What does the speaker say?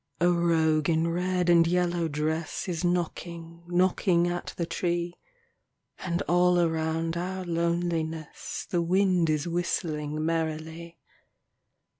A rogue in red and yellow dress Is knocking, knocking at the tree ; And all around our loneliness The wind is whistling merrily.